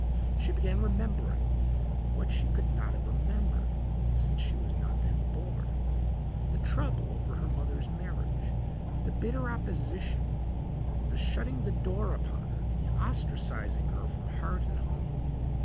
She began remembering what she could not have remembered, since she was not then born: the trouble over her mother's marriage, the bitter opposition, the shutting the door upon her, the ostracizing her from heart and home.